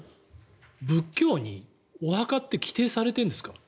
仏教にお墓って規定されてるんですか？